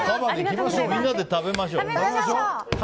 みんなで食べましょう。